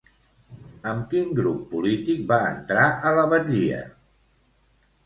Amb quin grup polític va entrar a la batllia?